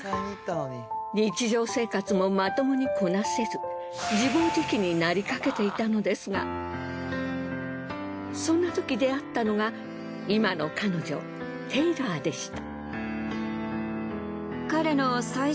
日常生活もまともにこなせず自暴自棄になりかけていたのですがそんな時出会ったのが今の彼女テイラーでした。